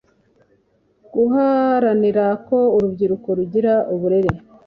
guharanira ko urubyiruko rugira uburere